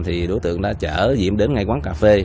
thì đối tượng đã chở diêm đến ngay quán cà phê